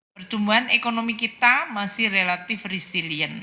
pertumbuhan ekonomi kita masih relatif resilient